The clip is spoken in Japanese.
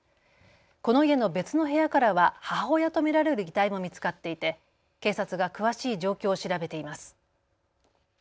この家の別の部屋からは母親と見られる遺体も見つかっていて警察が詳しい状況を調べています。